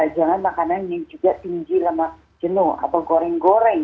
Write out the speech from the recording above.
jangan makanannya juga tinggi lemak jenuh atau goreng goreng